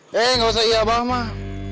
hei gak usah iya abah mah